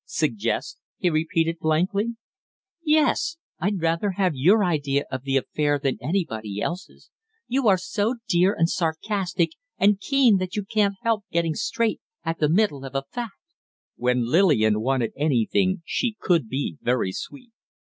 "Suggest?" he repeated, blankly. "Yes. I'd rather have your idea of the affair than anybody else's. You are so dear and sarcastic and keen that you can't help getting straight at the middle of a fact." When Lillian wanted anything she could be very sweet.